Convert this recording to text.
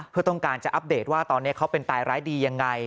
เพื่อต้องการจะอัปเดตว่าตอนนี้เขาเป็นตายร้ายดียังไง